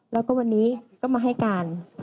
แล้วก็วันนี้ก็มาให้การ